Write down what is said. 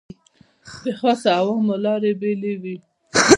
د خاصو او عامو لارې بېلې وې.